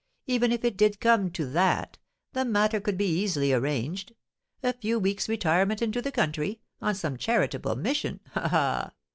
"Even if it did come to that, the matter could be easily arranged. A few weeks' retirement into the country, on some charitable mission—ha! ha!"